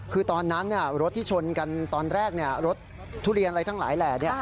คือตอนนั้นรถที่ชนกันตอนแรกรถทุเรียนอะไรทั้งหลายแหล่